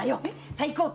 最高級！